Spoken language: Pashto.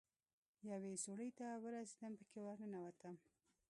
يوې سوړې ته ورسېدم پکښې ورننوتم.